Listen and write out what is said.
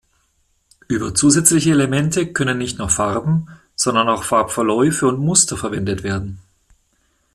Über zusätzliche Elemente können nicht nur Farben, sondern auch Farbverläufe und Muster verwendet werden.